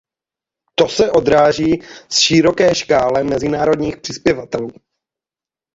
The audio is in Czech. To se odráží s široké škále mezinárodních přispěvatelů.